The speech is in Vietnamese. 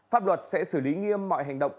pháp luật sẽ xử lý nghiêm mọi hành động